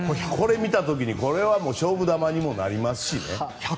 これを見た時にこれは勝負球にもなりますしね。